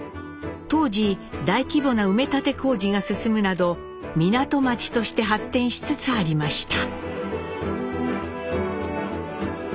当時大規模な埋め立て工事が進むなど港町として発展しつつありました。